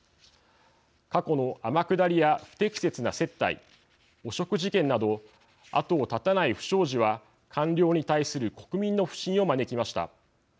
過去の天下りや、不適切な接待汚職事件など後を絶たない不祥事は官僚に対する国民の不信を招きました。